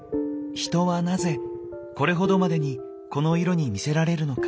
人はなぜこれほどまでにこの色に魅せられるのか？